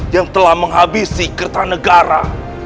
yang telah menghabisi kertanegara